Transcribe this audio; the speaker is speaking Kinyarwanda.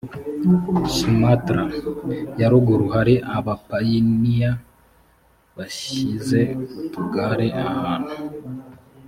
sumatra ya ruguru hari abapayiniya bashyize utugare ahantu